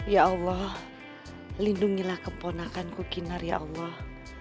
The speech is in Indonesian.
ya allah lindungilah keponakanku kinar ya allah